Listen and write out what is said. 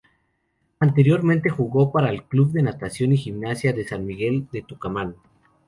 Anteriormente jugó para el Club Natación y Gimnasia de San Miguel de Tucumán.